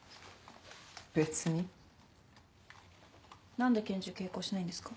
何で拳銃携行しないんですか？